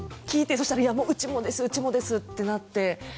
そうしたら、うちもですうちもですってなって。